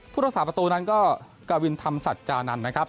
ภุรศาสตร์ประตูนั้นก็กวินทำสัจจานั้นนะครับ